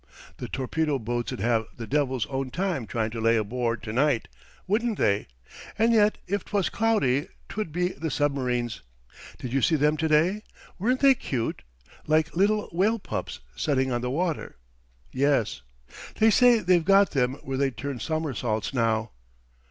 "The torpedo boats'd have the devil's own time trying to lay aboard to night, wouldn't they? And yet if 'twas cloudy 'twould be the submarines! Did you see them to day? Weren't they cute like little whale pups setting on the water yes. They say they've got them where they turn somersaults now.